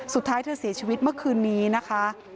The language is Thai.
สุดท้ายเธอเสียชีวิตเมื่อคืนนี้นะคะ